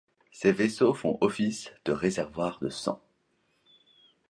Ces vaisseaux font office de réservoir de sang.